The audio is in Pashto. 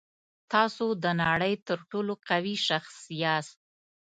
تاسو د نړۍ تر ټولو قوي شخص یاست.